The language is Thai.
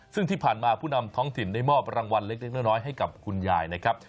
ซึ่งที่ผ่านมาผู้นำท้องถิ่นได้มอบรางวัลเล็กน้อยให้กับคุณยายนะครับ